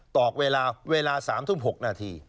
ตอกเวลาเวลา๓ทุ่ม๖นาที